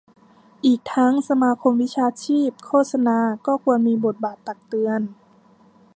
อีกทั้งสมาคมวิชาชีพโฆษณาก็ควรมีบทบาทตักเตือน